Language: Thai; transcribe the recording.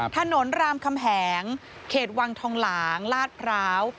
รามคำแหงเขตวังทองหลางลาดพร้าว